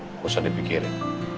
gak usah dipikirin